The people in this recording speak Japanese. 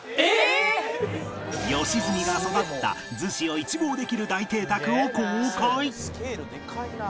良純が育った逗子を一望できる大邸宅を公開！